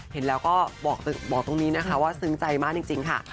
เห็นแล้วก็บอกตรงนี้นะคะว่าซึ้งใจมากจริงค่ะ